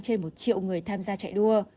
trên một triệu người tham gia chạy đua